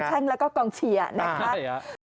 กองแช่งแล้วก็กองเชียร์นะครับใช่